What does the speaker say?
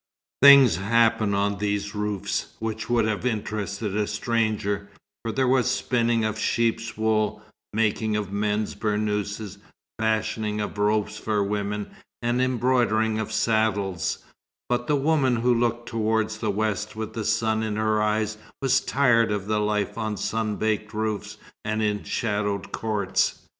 Things happened on these roofs which would have interested a stranger, for there was spinning of sheep's wool, making of men's burnouses, fashioning of robes for women, and embroidering of saddles; but the woman who looked towards the west with the sun in her eyes was tired of the life on sun baked roofs and in shadowed courts.